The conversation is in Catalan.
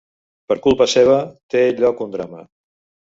Per culpa seva, té lloc un drama.